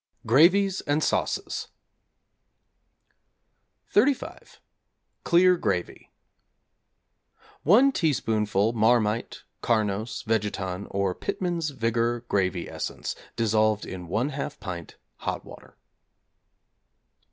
GRAVIES AND SAUCES =35. Clear Gravy= 1 teaspoonful 'Marmite,' 'Carnos,' 'Vegeton,' or 'Pitman's Vigar Gravy Essence,' dissolved in 1/2 pint hot water.